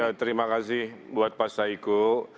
ya terima kasih buat pak saiku